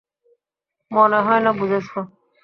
মনে হয় না বুঝেছ।